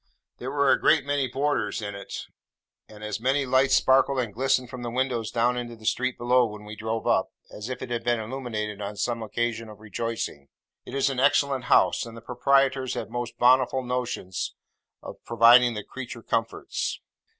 There were a great many boarders in it; and as many lights sparkled and glistened from the windows down into the street below, when we drove up, as if it had been illuminated on some occasion of rejoicing. It is an excellent house, and the proprietors have most bountiful notions of providing the creature comforts.